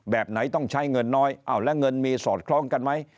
แบบไหนต้องใช้เงินน้อยอ้าวและเงินมีสอดคล้องกันไหม